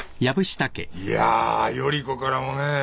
いや依子からもね